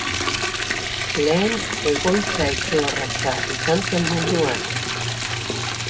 Lehen egoitza- etxe orratza izan zen munduan.